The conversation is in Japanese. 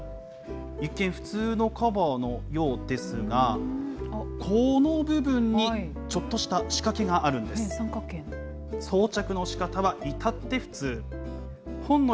一見、普通のカバーのようですが、この部分にちょっとした仕掛けが三角形の。